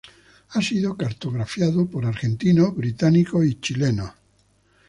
Ha sido cartografiado por argentinos, británicos y chilenos.